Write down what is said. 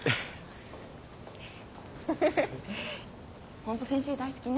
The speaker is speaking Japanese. ホント先生大好きね。